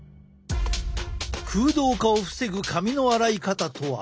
空洞化を防ぐ髪の洗い方とは？